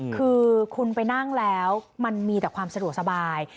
คือคุณไปนั่งแล้วมันมีแต่ความสะดวกสบาย